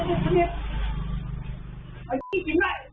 ยิงหัวแหมหรอ